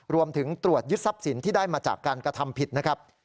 รวมถึงตรวจยึดทรัพย์สินที่ได้มาจากการกระทำผิดนะครับ